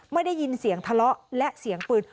ไม่ได้ยินเสียงทะเลาะและเสียงปืน